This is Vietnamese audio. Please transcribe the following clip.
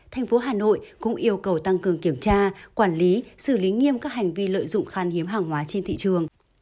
tp hà nội cũng yêu cầu tăng cường kiểm tra quản lý xử lý nghiêm các hành vi lợi dụng khăn hiếm hàng hóa trên thị trường